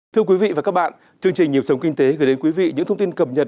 thưa quý vị và các bạn chương trình nhịp sống kinh tế gửi đến quý vị những thông tin cập nhật